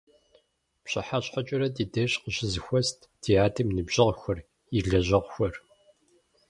ПщыхьэщхьэкӀэрэ ди деж къыщызэхуэст ди адэм и ныбжьэгъухэр, и лэжьэгъухэр.